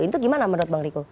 itu gimana menurut bang riko